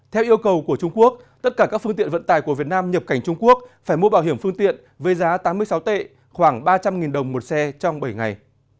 theo yêu cầu của trung quốc tất cả các phương tiện vận tải của việt nam nhập cảnh trung quốc phải mua bảo hiểm phương tiện với giá tám mươi sáu tệ khoảng ba trăm linh đồng một xe trong bảy ngày